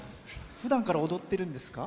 ふだんから踊ってるんですか？